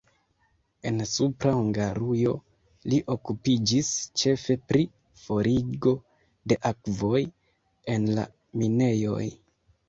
En Supra Hungarujo li okupiĝis ĉefe pri forigo de akvoj en la minejoj.